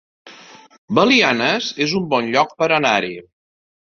Belianes es un bon lloc per anar-hi